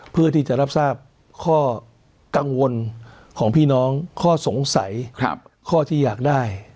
เพื่อที่จะรับทราบข้อกังวลของพี่น้องข้อสงสัยข้อที่อยากได้